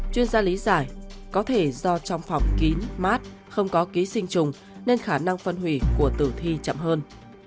chuyên gia lý giải có thể do trong phòng kín mát không có ký sinh trùng nên khả năng phân hủy của tử thi chậm hơn